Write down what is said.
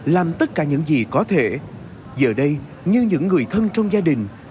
làm tất cả những gì có thể giờ đây như những người thân trong gia đình